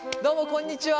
こんにちは。